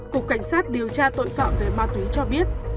cục cảnh sát điều tra tội phạm về ma túy cho biết